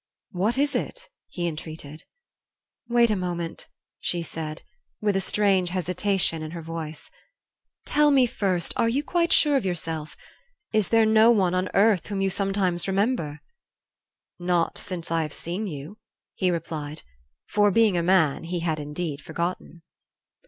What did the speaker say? "What is it?" he entreated. "Wait a moment," she said, with a strange hesitation in her voice. "Tell me first, are you quite sure of yourself? Is there no one on earth whom you sometimes remember?" "Not since I have seen you," he replied; for, being a man, he had indeed forgotten.